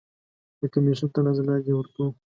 د کمیسیون تر نظر لاندې یې ورکوو.